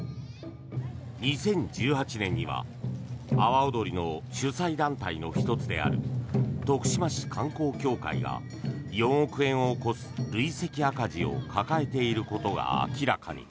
２０１８年には、阿波おどりの主催団体の一つである徳島市観光協会が４億円を超す累積赤字を抱えていることが明らかに。